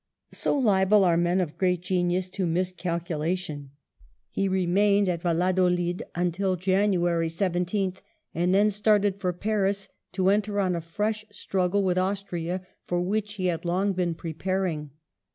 So liable are men of great genius to miscalcu lation. He remained at Yalladolid until January 17th, and then started for Paris to enter on a fresh struggle with Austria for which he had long been preparing.